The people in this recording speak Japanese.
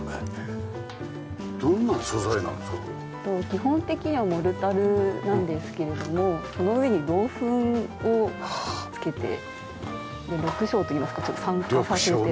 基本的にはモルタルなんですけれどもその上に銅粉を付けて緑青といいますかちょっと酸化させて。